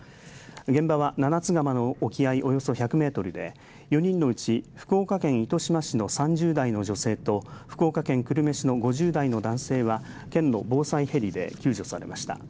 現場は七ツ釜の沖合およそ１００メートルで４人のうち福岡県糸島市の３０代の女性と福岡県久留米市の５０代の男性は県の防災ヘリで救助されました。